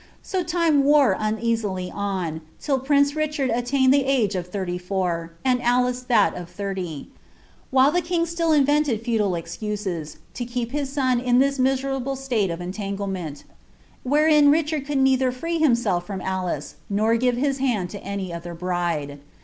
bo lime wore uneasily on, till prince Richard attained the age of thirty (bar. and Alice that of thirty ; while the king still invented futile ez ts, to keep his son in this miserable state of entanglement, wherein 'uutd could neither free himself from Alice, nor give hia hand to any 'f bride.